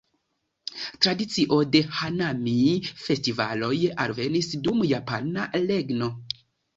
Tradicio de "hanami"-festivaloj alvenis dum japana regno.